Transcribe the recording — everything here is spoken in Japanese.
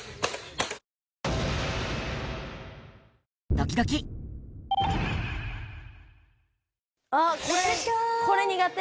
ドキドキこれ苦手。